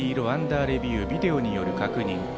アンダーレビュー、ビデオによる確認。